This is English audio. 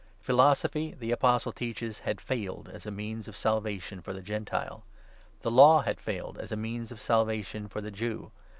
Philosophy, the Apostle teaches, had failed as a means of Salvation for the Gentile. The Law had failed as a means of Salvation for the Jew.